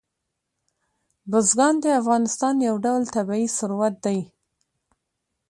بزګان د افغانستان یو ډول طبعي ثروت دی.